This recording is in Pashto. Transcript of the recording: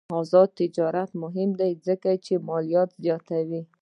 آزاد تجارت مهم دی ځکه چې مالیات زیاتوي.